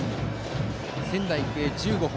仙台育英は１５本。